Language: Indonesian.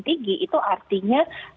tinggi itu artinya